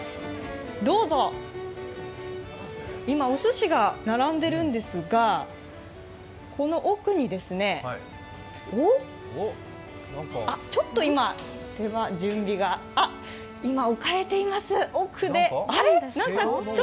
今、お寿司が並んでいるんですが、この奥にちょっと今、準備が、今、置かれています。